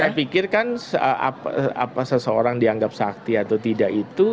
saya pikir kan seseorang dianggap sakti atau tidak itu